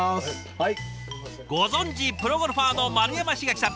ご存じプロゴルファーの丸山茂樹さん。